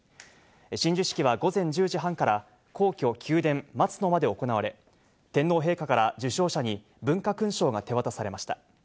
親授式はきょう午前１０時半から皇居・宮殿「松の間」で行われ、天皇陛下から受章者に文化勲章が手渡されました。